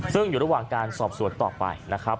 ซึ่งอยู่ระหว่างการสอบสวนต่อไปนะครับ